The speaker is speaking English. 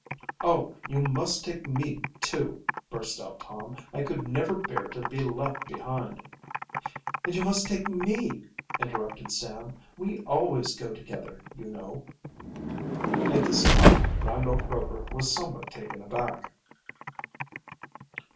"Oh, you must take me too!" burst out Tom. "I could never bear to be left behind." "And you must take me," interrupted Sam. "We always go together, you know." At this talk Randolph Rover was somewhat taken aback.